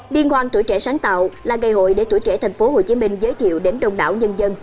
liên hoan tuổi trẻ sáng tạo là ngày hội để tuổi trẻ tp hcm giới thiệu đến đông đảo nhân dân